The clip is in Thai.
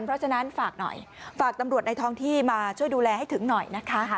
เพราะฉะนั้นฝากหน่อยฝากตำรวจในท้องที่มาช่วยดูแลให้ถึงหน่อยนะคะ